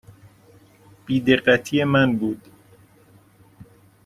بی دقتی من بود.